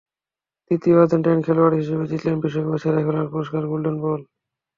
তৃতীয় আর্জেন্টাইন খেলোয়াড় হিসেবে জিতলেন বিশ্বকাপের সেরা খেলোয়াড়ের পুরস্কার, গোল্ডেন বল।